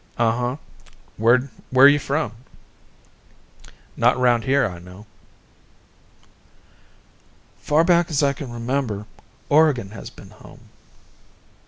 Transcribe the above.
"Uh huh. Where you from? Not around here, I know." "Far back as I can remember, Oregon has been home."